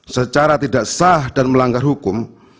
secara tidak sah dan melanggar hukum